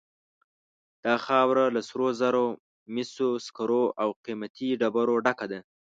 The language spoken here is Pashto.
دا خاوره له سرو زرو، مسو، سکرو او قیمتي ډبرو ډکه ده.